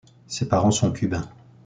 Ses parents sont cubains.